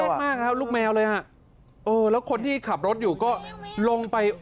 มากครับลูกแมวเลยฮะเออแล้วคนที่ขับรถอยู่ก็ลงไป